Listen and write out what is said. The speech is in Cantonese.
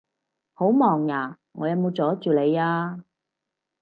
好忙呀？我有冇阻住你呀？